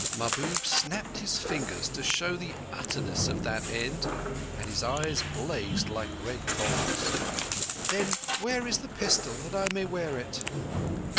Mahbub snapped his fingers to show the utterness of that end, and his eyes blazed like red coals. "Then where is the pistol that I may wear it?"